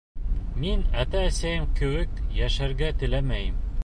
Мин ата-әсәйем кеүек йәшәргә теләмәйем.